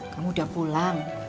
kamu sudah pulang